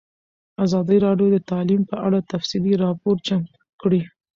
ازادي راډیو د تعلیم په اړه تفصیلي راپور چمتو کړی.